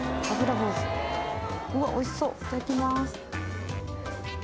おいしそういただきます。